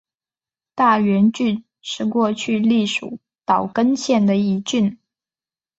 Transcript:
大原郡是过去隶属岛根县的一郡。